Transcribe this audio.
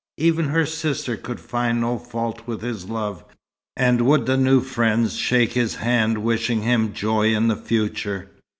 Even her sister could find no fault with his love. And would the new friends shake his hand wishing him joy in future.